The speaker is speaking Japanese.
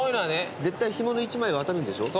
絶対干物１枚は当たるんでしょ。